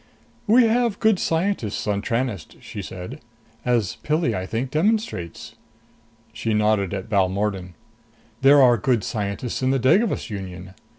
"We have good scientists on Tranest," she said, "as Pilli, I think, demonstrates." She nodded at Balmordan. "There are good scientists in the Devagas Union.